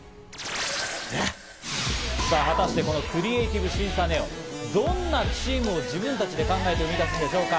さぁ果たして、このクリエイティブ審査ＮＥＯ、どんなチームを自分たちで考えて生み出すんでしょうか。